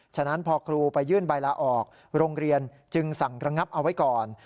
ฉะนั้นพอครูไปยื่นใบลาออกโรงเรียนจึงสั่งระงับเอาไว้ก่อน